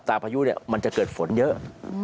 ตาพายุมันจะเกิดฝนเยอะ